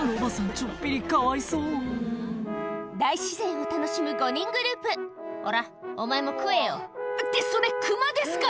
ちょっぴりかわいそう大自然を楽しむ５人グループ「ほらお前も食えよ」ってそれクマですから！